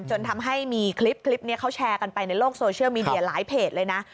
จนทำให้มีคลิปนี้เขาแชร์กันไปในโลกโซเชียลมีเดียหลายเพจเลยนะ